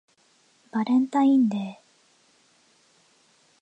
バレンタインデー